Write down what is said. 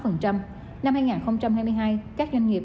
năm hai nghìn hai mươi hai các doanh nghiệp